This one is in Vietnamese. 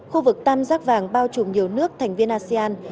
khu vực tam giác vàng bao trùm nhiều nước thành viên asean